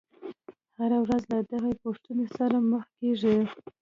هره ورځ له دغې پوښتنې سره مخ کېږم.